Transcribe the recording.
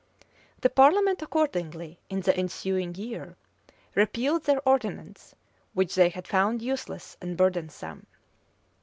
The parliament accordingly, in the ensuing year, repealed their ordinance, which they had found useless and burdensome.